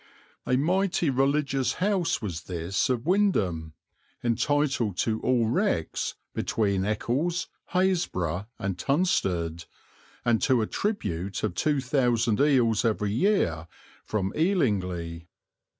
A mighty religious house was this of Wymondham, entitled to all wrecks between Eccles, Happisburgh, and Tunstead, and to a tribute of two thousand eels every year from Elingley.